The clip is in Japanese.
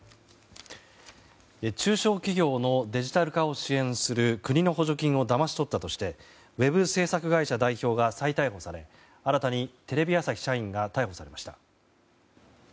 中小企業のデジタル化を支援する国の補助金をだまし取ったとしてウェブ制作会社代表が再逮捕され新たにテレビ朝日社員が逮捕されました。